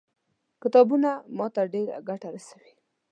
کتابونه ما ته ډېره ګټه رسوي.